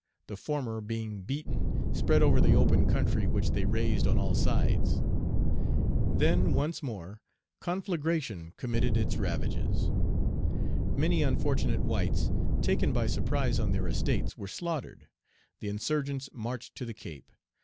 The former, being beaten, spread over the open country, which they raised on all sides. Then, once more, conflagration committed its ravages. Many unfortunate whites, taken by surprise on their estates, were slaughtered. The insurgents marched to the Cape.